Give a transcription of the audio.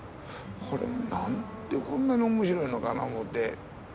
これなんでこんなに面白いのかな思って。